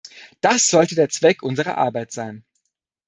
Das sollte der Zweck unserer Arbeit sein.